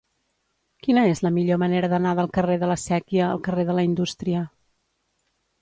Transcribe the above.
Quina és la millor manera d'anar del carrer de la Sèquia al carrer de la Indústria?